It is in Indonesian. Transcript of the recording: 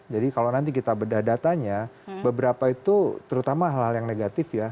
jadi kalau nanti kita bedah datanya beberapa itu terutama hal hal yang negatif ya